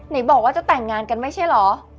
บอกว่าจะแต่งงานกันไม่ใช่เหรอ